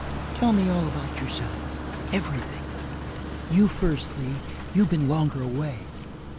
"Tell me all about yourselves. Everything. You first, Lee. You've been longer away."